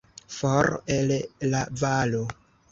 For, el la valo.